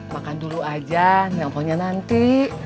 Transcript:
makan dulu aja nelponnya nanti